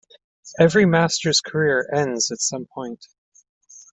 Every master's career ends at some point.